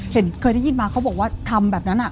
เคยได้ยินมาเขาบอกว่าทำแบบนั้น